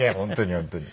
本当に？